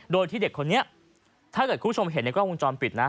โดยที่เด็กคนนี้ถ้าเกิดคุณผู้ชมเห็นในกล้องวงจรปิดนะ